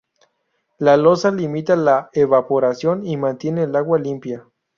La losa limita la evaporación y mantiene el agua limpia.